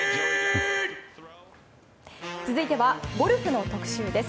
続いてはゴルフの特集です。